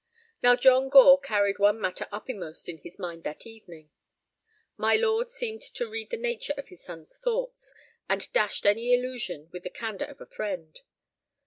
Now John Gore carried one matter uppermost in his mind that evening. My lord seemed to read the nature of his son's thoughts, and dashed any illusion with the candor of a friend.